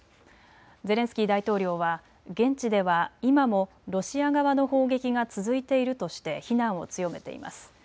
ゼレンスキー大統領は現地では今もロシア側の砲撃が続いているとして非難を強めています。